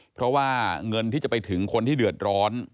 เพราะว่าเงินที่จะไปถึงคนที่เดือดร้อน